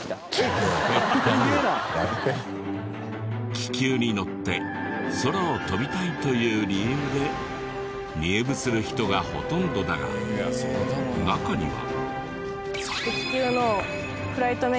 気球に乗って空を飛びたいという理由で入部する人がほとんどだが中には。